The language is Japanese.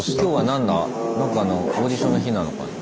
何かのオーディションの日なのかな。